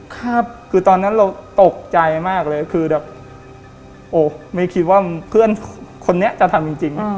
คือตอนนั้นเราตกใจมากเลยคือแบบโอ้ไม่คิดว่าเพื่อนคนนี้จะทำจริง